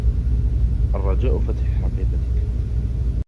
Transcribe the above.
الرجاء فتح حقيبتك.